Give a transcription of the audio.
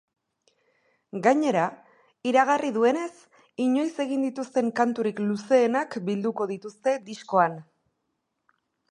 Gainera, iragarri duenez, inoiz egin dituzten kanturik luzeenak bilduko dituzte diskoan.